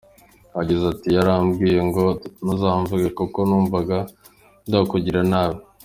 Yagize ati “Yarambwiye ngo ntuzamvuge kuko numvuga nzakugirira nabi.